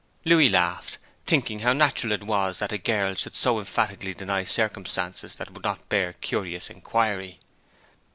Louis laughed, thinking how natural it was that a girl should so emphatically deny circumstances that would not bear curious inquiry.